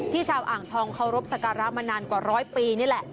ชาวอ่างทองเคารพสการะมานานกว่าร้อยปีนี่แหละ